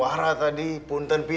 saya tadi lagi berbagi